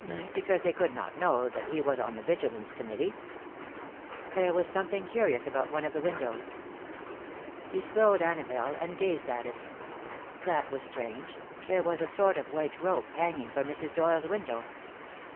Because they could not know that he was on the Vigilance Committee. There was something curious about one of the windows. He slowed Annabelle and gazed at it. That was strange; there was a sort of white rope hanging from Mrs. Doyle's window.